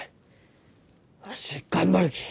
わし頑張るき。